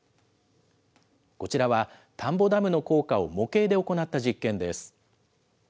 こちらは、田んぼダムの効果を模型で行った実験です。